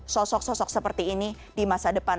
sosok sosok seperti ini di masa depan